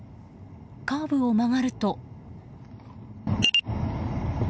カーブを曲がると。